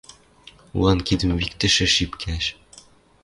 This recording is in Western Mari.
Луан кидӹм виктӹшӹ шипкӓш